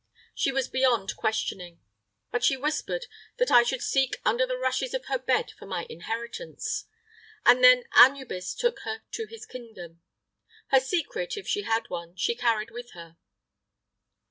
She was beyond questioning. But she whispered that I should seek under the rushes of her bed for my inheritance, and then Anubis took her to his kingdom. Her secret, if she had one, she carried with her."